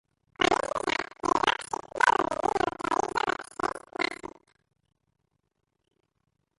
Quan és usat, l'hidròxid d'alumini neutralitza l'excés d'àcid.